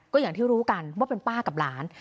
ก็อย่างที่รู้กันว่าเป็นป้ากับหลาน